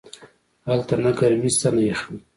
هلته نه گرمي سته نه يخني.